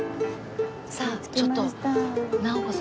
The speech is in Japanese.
さあちょっと直子様。